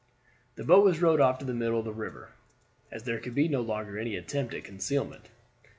The boat was rowed off to the middle of the river, as there could be no longer any attempt at concealment.